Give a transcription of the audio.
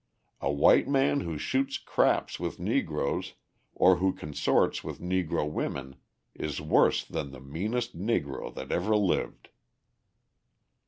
A white man who shoots craps with Negroes or who consorts with Negro women is worse than the meanest Negro that ever lived."